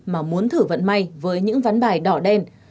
mà muốn thử vận may với những ván bài đỏ đen